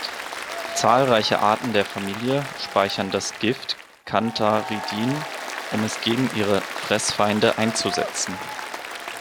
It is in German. Zahlreiche Arten der Familie speichern das Gift Cantharidin, um es gegen ihre Fressfeinde einzusetzen.